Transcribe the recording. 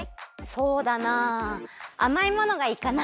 そうだなあまいものがいいかな。